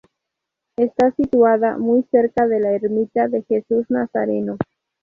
Está situada muy cerca de la ermita de Jesús Nazareno.